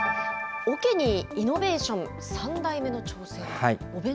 おけにイノベーション、３代目の挑戦。